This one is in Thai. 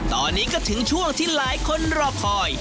ตอนนี้ก็ถึงช่วงที่หลายคนรอคอย